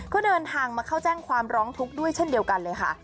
ก็เดินทางมาเข้าแจ้งความร้องทุกข์ด้วยเช่นเดียวกันเลยค่ะ